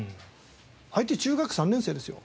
相手中学３年生ですよ。